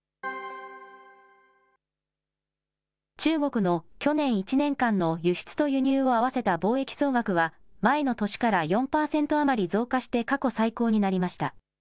中国の去年１年間の輸出と輸入を合わせた貿易総額は、前の年から４％余り増加して過去最高になりました。